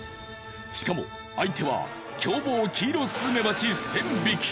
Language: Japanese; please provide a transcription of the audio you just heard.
しかも相手は凶暴キイロスズメバチ１，０００匹。